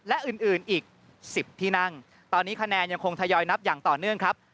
และอื่นอื่นอีก๑๐ที่นั่งตอนนี้คะแนนยังคงทยอยนับอย่างต่อเนื่องครับ